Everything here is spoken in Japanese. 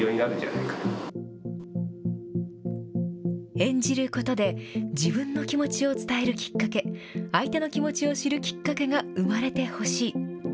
演じることで、自分の気持ちを伝えるきっかけ、相手の気持ちを知るきっかけが生まれてほしい。